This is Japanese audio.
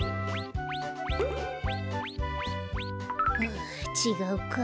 あちがうか。